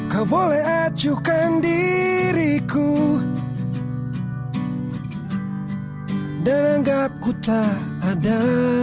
kau boleh ajukan diriku dan anggapku tak ada